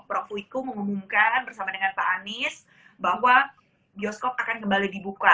prof wiku mengumumkan bersama dengan pak anies bahwa bioskop akan kembali dibuka